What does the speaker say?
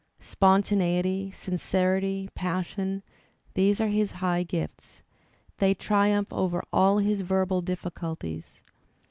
Spontaneity, sincerity, passion, these are his high gifts; they triumph over all his verbal difficulties.